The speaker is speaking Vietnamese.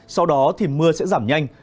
sau đó thì mưa sẽ giảm nhanh